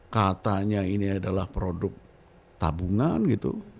katanya ini adalah produk tabungan gitu